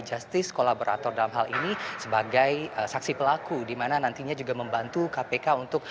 justice kolaborator dalam hal ini sebagai saksi pelaku dimana nantinya juga membantu kpk untuk